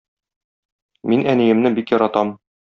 Мин әниемне бик яратам.